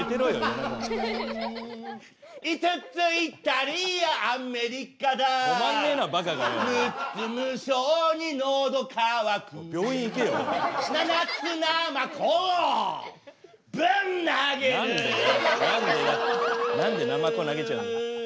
何でナマコ投げちゃうの。